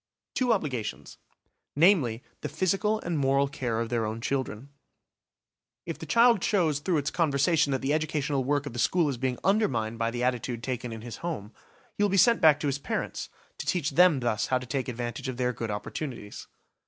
Two obligations: namely, the physical and moral care of their own children. If the child shows through its conversation that the educational work of the school is being undermined by the attitude taken in his home, he will be sent back to his parents, to teach them thus how to take advantage of their good opportunities.